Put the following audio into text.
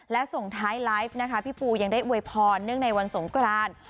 และส่งท้ายไลฟ์นะคะพี่ปูยังได้อวยพรเนื่องในวันสงกราน